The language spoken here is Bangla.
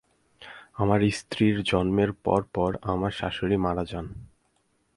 আমার স্ত্রীর জন্মের পরপর আমার শাশুড়ি মারা যান।